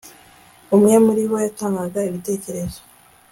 Umwe muri bo yatangaga igitekerezo